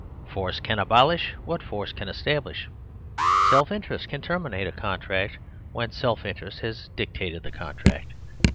Force can abolish what force can establish; self interest can terminate a contract when self interest has dictated the contract.